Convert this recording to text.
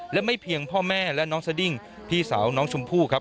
และไม่เพียงพ่อแม่และน้องสดิ้งพี่สาวน้องชมพู่ครับ